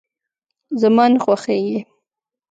زما نه خوښيږي.